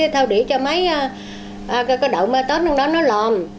thao điện cho mấy cái đậu mai tết lần đó nó lồn